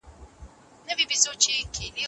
ژوول لږه انرژي مصرفوي.